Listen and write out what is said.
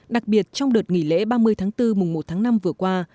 đặc biệt trong đợt nghỉ lễ ba mươi tháng bốn mùng một tháng năm vừa qua